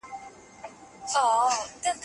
افغان ډاکټران عادلانه محکمې ته اسانه لاسرسی نه لري.